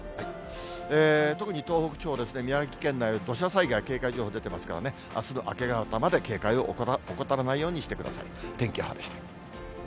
特に東北地方、宮城県内は土砂災害警戒情報が出てますからね、あすの明け方まで警戒を怠らないようにしてください。